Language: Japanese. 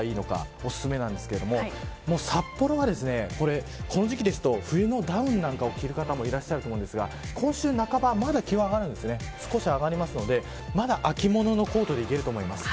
おすすめですが、札幌はこの時期ですと冬のダウンを着る方もいると思うんですが今週半ばまだ気温が少し上がるのでまだ秋物のコートでいけると思います。